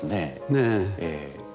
ねえ。